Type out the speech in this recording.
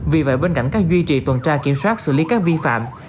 vì vậy bên cạnh các duy trì tuần tra kiểm soát xử lý các vi phạm